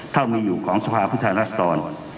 เท่ามีอยู่ของสภาพุทธรรศดร